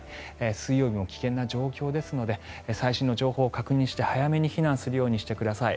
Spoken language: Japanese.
水曜日も危険な状況ですので最新の情報を確認して、早めに避難するようにしてください。